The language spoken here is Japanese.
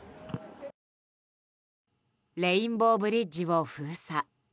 レインボーブリッジを封鎖。